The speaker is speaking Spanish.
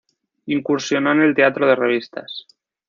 Incursionó en el teatro de revistas.